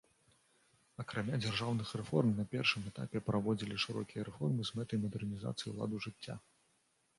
Акрамя дзяржаўных рэформ на першым этапе праводзілі шырокія рэформы з мэтай мадэрнізацыі ладу жыцця.